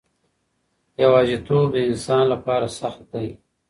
یوازیتوب د انسان لپاره سخت دی.